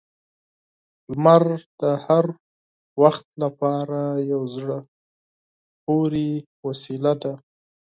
• لمر د هر وخت لپاره یو زړه پورې وسیله ده.